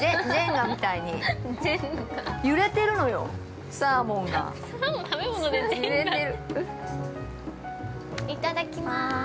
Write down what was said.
◆いただきまーす。